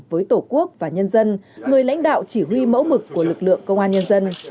với tổ quốc và nhân dân người lãnh đạo chỉ huy mẫu mực của lực lượng công an nhân dân